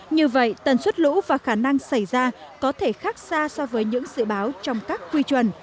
như vậy tần suất lũ và khả năng xảy ra có thể khác xa so với những dự báo trong các quy chuẩn